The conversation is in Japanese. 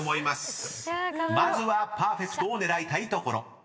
［まずはパーフェクトを狙いたいところ。